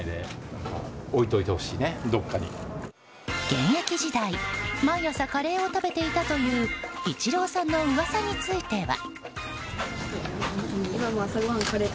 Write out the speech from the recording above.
現役時代、毎朝カレーを食べていたというイチローさんの噂については。